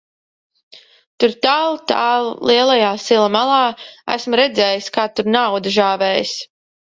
Tur tālu, tālu lielajā sila malā, esmu redzējis, kā tur nauda žāvējas.